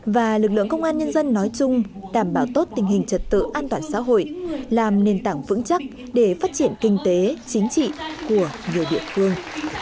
và lực lượng công an nhân dân nói chung đảm bảo tốt tình hình trật tự an toàn xã hội làm nền tảng vững chắc để phát triển kinh tế chính trị của nhiều địa phương